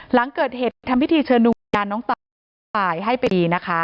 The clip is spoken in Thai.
หลังเกิดเหตุทำพิธีเชิญดูการน้องตายให้เป็นดีนะคะ